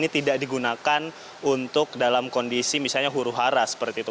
ini tidak digunakan untuk dalam kondisi misalnya huru hara seperti itu